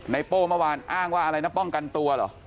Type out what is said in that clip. โป้เมื่อวานอ้างว่าอะไรนะป้องกันตัวเหรอ